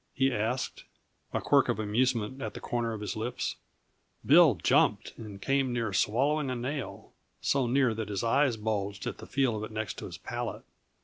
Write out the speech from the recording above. he asked, a quirk of amusement at the corner of his lips. Bill jumped and came near swallowing a nail; so near that his eyes bulged at the feel of it next his palate.